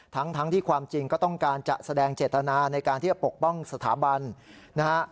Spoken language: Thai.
ทั้งที่ความจริงก็ต้องการจะแสดงเจตนาในการที่จะปกป้องสถาบันนะฮะ